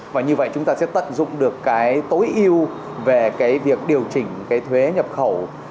và như vậy chúng ta sẽ tận dụng được cái tối ưu về cái việc điều chỉnh cái thuế nhập khẩu